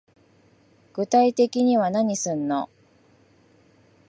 具体的には何すんの